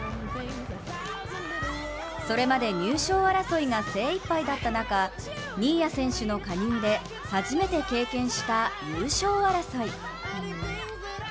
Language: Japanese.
それまで入賞争いが精いっぱいだった中、新谷選手の加入で初めて経験した優勝争い。